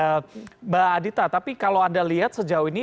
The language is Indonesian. mbak adita tapi kalau anda lihat sejauh ini